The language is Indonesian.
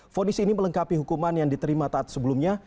fonis ini melengkapi hukuman yang diterima taat sebelumnya